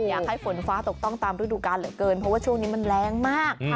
อยากให้ฝนฟ้าตกต้องตามฤดูกาลเหลือเกินเพราะว่าช่วงนี้มันแรงมาก